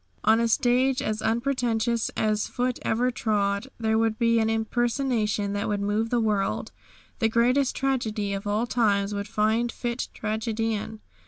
On a stage as unpretentious as foot ever trod there would be an impersonation that would move the world. The greatest tragedy of all times would find fit tragedian.